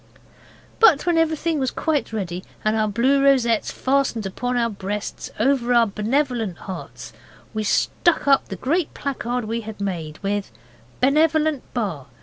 But when everything was quite ready, and our blue rosettes fastened on our breasts over our benevolent hearts, we stuck up the great placard we had made with 'Benevolent Bar.